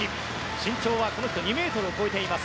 身長は２ｍを超えています。